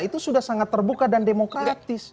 itu sudah sangat terbuka dan demokratis